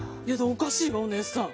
おかしいわお姉さん。